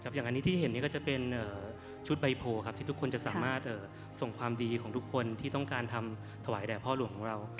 อย่างอันนี้ที่เห็นก็จะเป็นชุดใบโพที่ทุกคนจะสามารถส่งความดีของทุกคนที่ต้องการทำถวายแด่พ่อหลวงของเรา